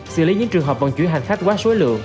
xử lý những trường hợp vận chuyển hành khách quá số lượng